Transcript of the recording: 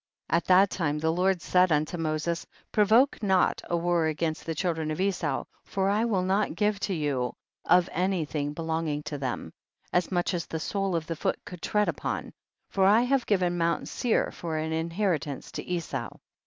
4. At that time the Lord said unto Moses, provoke not a war against the children of Esau, for I will not give 250 THE BOOK OF JASHER. to you of any thing belonging to them, as much as the sole of the foot could tread upon, for I have given Mount Seir for an inheritance to Esau.